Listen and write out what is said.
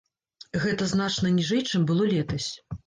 Гэта значна ніжэй, чым было летась.